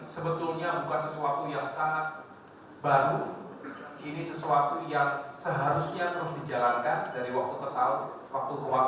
sebetulnya bukan sesuatu yang sangat baru ini sesuatu yang seharusnya terus dijalankan dari waktu ke tahun waktu ke waktu